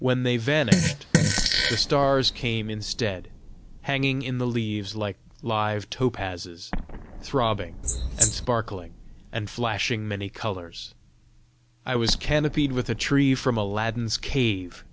When they vanished, the stars came instead, hanging in the leaves like live topazes, throbbing and sparkling and flashing many colours: I was canopied with a tree from Aladdin's cave!